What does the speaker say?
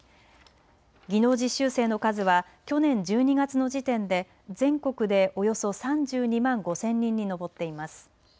技能実習生の数は去年１２月の時点で全国でおよそ３２万５０００人に上っています。